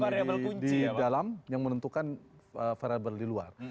jadi rame di dalam yang menentukan variable di luar